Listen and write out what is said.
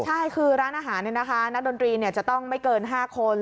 ใช่คือร้านอาหารนักดนตรีจะต้องไม่เกิน๕คน